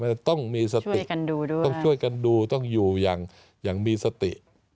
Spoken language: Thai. มันต้องมีสติต้องช่วยกันดูต้องอยู่อย่างมีสติ